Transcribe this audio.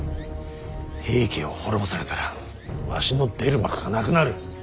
平家を滅ぼされたらわしの出る幕がなくなる。